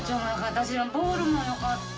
私ボールもよかった。